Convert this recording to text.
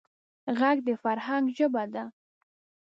غږ د فرهنګ ژبه ده